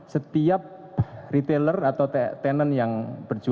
setiap retailer atau tenant yang berjuang